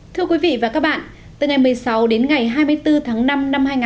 thưa quý vị và các bạn từ ngày một mươi sáu đến ngày hai mươi bốn tháng năm năm hai nghìn hai mươi bốn